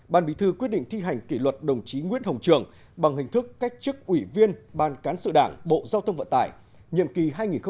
ban bí thư quyết định thi hành kỷ luật đồng chí nguyễn hồng trường bằng hình thức cách chức ủy viên ban cán sự đảng bộ giao thông vận tải nhiệm kỳ hai nghìn một mươi sáu hai nghìn hai mươi một